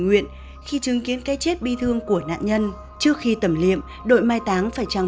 nguyện khi chứng kiến cái chết bi thương của nạn nhân trước khi tẩm liệm đội mai táng phải trang